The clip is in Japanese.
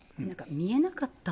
見えなかったって。